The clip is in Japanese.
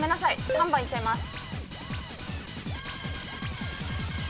３番いっちゃいます。